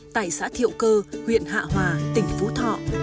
tại xã thiệu cơ huyện hạ hòa tỉnh phú thọ